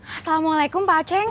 assalamualaikum pak ceng